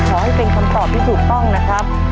ขอให้เป็นคำตอบที่ถูกต้องนะครับ